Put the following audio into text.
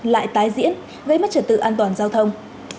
lại tái diễn gây mất trật tự an toàn giao thông